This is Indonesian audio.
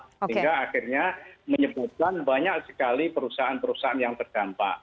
sehingga akhirnya menyebutkan banyak sekali perusahaan perusahaan yang terdampak